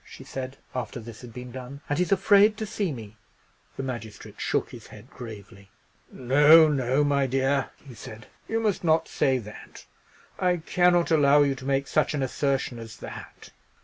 she said, after this had been done; "and he's afraid to see me!" The magistrate shook his head gravely. "No, no, my dear," he said; "you must not say that. I cannot allow you to make such an assertion as that.